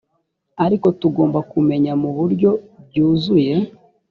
ariko tugomba kumenya mu buryo byuzuye